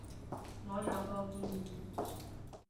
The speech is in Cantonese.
我有個建議